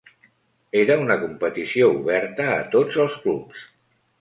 Era una competició oberta a tots els clubs.